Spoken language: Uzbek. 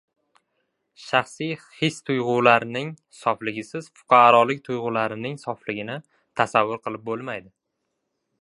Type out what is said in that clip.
Shaxsiy his-tuyg‘ulariing sofligisiz fuqorolik tuyg‘ularining sofligini tasavvur qilib bo‘lmaydi.